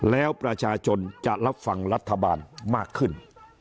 แล้วประชาชนจะรับฟังรัฐบาลมากขึ้น